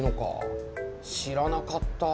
知らなかった。